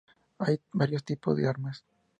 Hay varios tipos de armas.